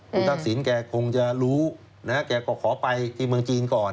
คุณทักษิณแกคงจะรู้นะฮะแกก็ขอไปที่เมืองจีนก่อน